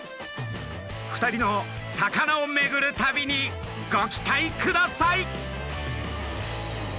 ２人の魚をめぐる旅にご期待ください！